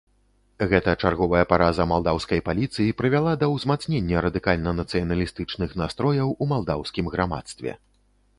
Гэта чарговая параза малдаўскай паліцыі прывяла да ўзмацнення радыкальна нацыяналістычных настрояў у малдаўскім грамадстве.